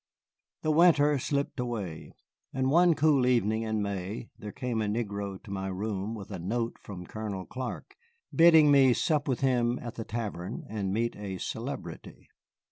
The winter slipped away, and one cool evening in May there came a negro to my room with a note from Colonel Clark, bidding me sup with him at the tavern and meet a celebrity.